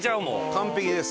完璧です。